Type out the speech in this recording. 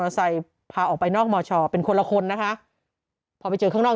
พาออกไปนอกมชเป็นคนละคนนะคะพอไปเจอข้างนอก